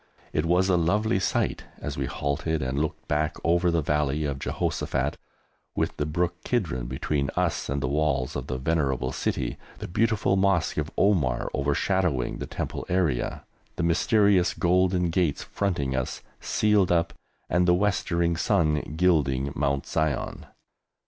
It was a lovely sight as we halted and looked back over the Valley of Jehoshaphat, with the brook Kidron between us and the walls of the venerable city, the beautiful Mosque of Omar overshadowing the Temple area, the mysterious Golden Gates fronting us, sealed up, and the westering sun gilding Mount Zion.